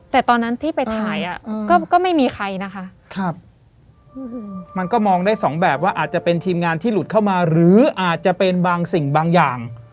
แต่ตอนนั้นที่ไปถ่ายอ่ะก็ไม่มีใครนะคะมันก็มองได้สองแบบว่าอาจจะเป็นทีมงานที่หลุดเข้ามาหรืออาจจะเป็นบางสิ่งบางอย่าง